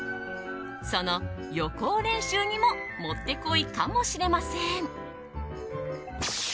その予行練習にももってこいかもしれません。